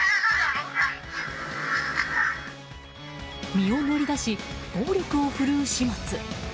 身を乗り出し暴力を振るう始末。